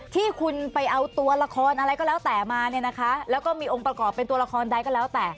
ที่คุณไปเอาตัวละครอะไรก็แล้วแต่มาเนี่ยนะคะแล้วก็มีองค์ประกอบเป็นตัวละครใดก็แล้วแต่